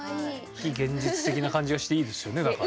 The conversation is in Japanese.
非現実的な感じがしていいですよねだから。